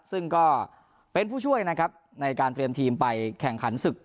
ซึ่งก็เป็นผู้ช่วยนะครับในการเตรียมทีมไปแข่งขันศึก